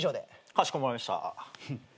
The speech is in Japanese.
かしこまりました。